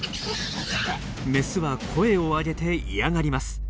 メスは声を上げて嫌がります。